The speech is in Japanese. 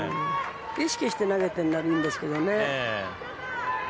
意識して投げてるならいいんですけどね。